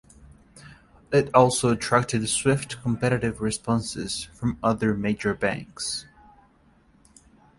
It also attracted swift competitive responses from other major banks.